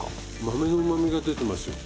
豆のうまみが出てますよ。